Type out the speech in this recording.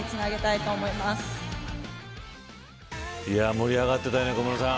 盛り上がってたよね小室さん。